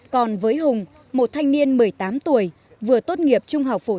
còn với hùng một thanh niên một mươi tám tuổi vừa tốt nghiệp trung học phổ